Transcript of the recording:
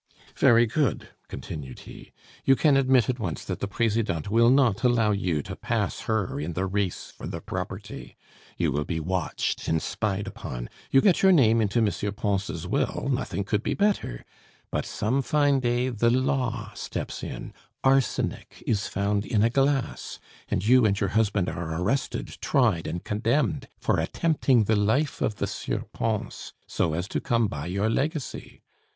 "Very good," continued he, "you can admit at once that the Presidente will not allow you to pass her in the race for the property. You will be watched and spied upon. You get your name into M. Pons' will; nothing could be better. But some fine day the law steps in, arsenic is found in a glass, and you and your husband are arrested, tried, and condemned for attempting the life of the Sieur Pons, so as to come by your legacy.